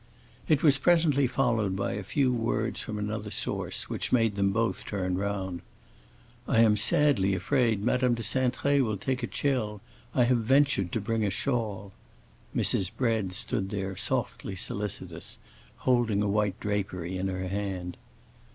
It was presently followed by a few words from another source, which made them both turn round. "I am sadly afraid Madame de Cintré will take a chill. I have ventured to bring a shawl." Mrs. Bread stood there softly solicitous, holding a white drapery in her hand.